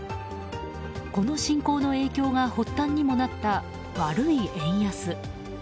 この侵攻の影響が発端にもなった悪い円安。